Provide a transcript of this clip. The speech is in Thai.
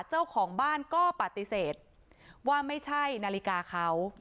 เจ้าของบ้านก็ปฏิเสธว่าไม่ใช่นาฬิกาเขา